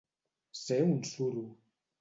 Ser un suro.